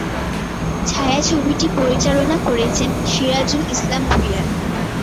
ছায়াছবিটি পরিচালনা করেছেন সিরাজুল ইসলাম ভূঁইয়া।